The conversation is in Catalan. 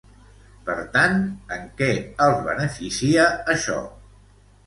Per tant, en què els beneficia això?